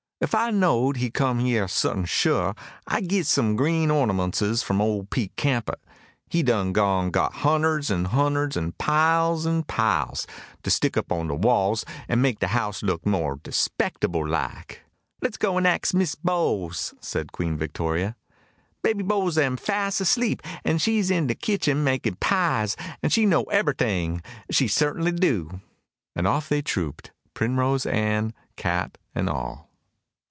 If I knowed he come yere certain sure, I git some green ornamuntses from ole Pete Campout he done gone got hunderds an' hunderds an' piles an' piles to stick up on de walls, an' make de house look more despectable like." "Let's go an' ax Miss Bowles," said Queen Victoria. "Baby Bowles am fass asleep, an' she's in de kitchen makin' pies, an' she know ebberyting she certainly do." And off they all trooped, Primrose Ann, cat, and all.